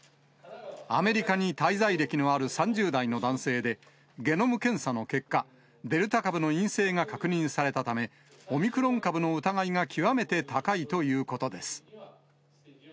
アメリカに滞在歴のある３０代の男性で、ゲノム検査の結果、デルタ株の陰性が確認されたため、オミクロン株の疑いが極めて高いということです。